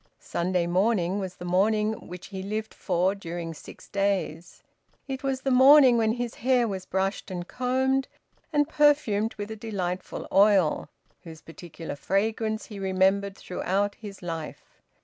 Sunday morning was the morning which he lived for during six days; it was the morning when his hair was brushed and combed, and perfumed with a delightful oil, whose particular fragrance he remembered throughout his life.